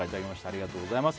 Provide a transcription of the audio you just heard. ありがとうございます。